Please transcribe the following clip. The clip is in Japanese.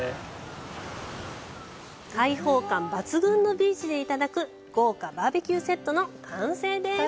開放感抜群のビーチでいただく豪華バーベキューセットの完成です。